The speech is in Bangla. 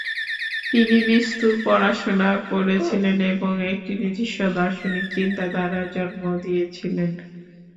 তিনি বিস্তর পড়াশোনা করেছিলেন এবং একটি নিজস্ব দার্শনিক চিন্তাধারার জন্মও দিয়েছিলেন।